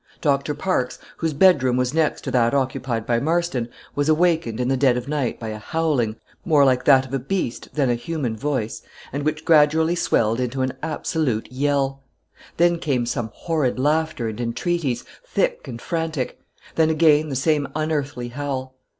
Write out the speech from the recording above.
Doctor Parkes, whose bedroom was next to that occupied by Marston, was awakened in the dead of night by a howling, more like that of a beast than a human voice, and which gradually swelled into an absolute yell; then came some horrid laughter and entreaties, thick and frantic; then again the same unearthly howl.